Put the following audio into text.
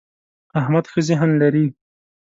احمد ښه ذهن لري.